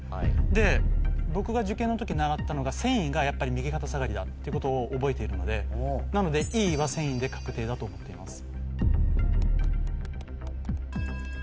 で僕が受験の時習ったのが繊維がやっぱり右肩下がりだっていうことを覚えているのでなのでＥは繊維で確定だと思っています。